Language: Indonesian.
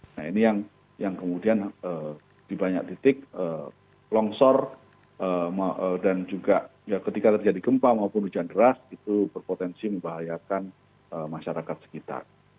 nah ini yang kemudian di banyak titik longsor dan juga ketika terjadi gempa maupun hujan deras itu berpotensi membahayakan masyarakat sekitar